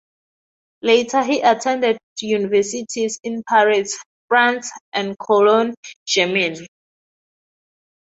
Later he attended universities in Paris, France and Cologne, Germany.